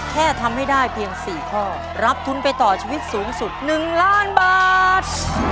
แค่ทำให้ได้เพียง๔ข้อรับทุนไปต่อชีวิตสูงสุด๑ล้านบาท